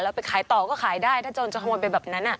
แล้วไปขายต่อก็ขายได้ถ้าโจรจะขโมยไปแบบนั้น